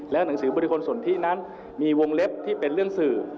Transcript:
และหนังสือบริษัทที่นั่นมีวงเล็บที่เป็นเรื่องสื่อ